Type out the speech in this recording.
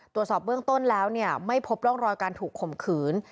ตรวจสอบเบื้องต้นแล้วเนี่ยไม่พบร่องรอยการถูกข่มขืน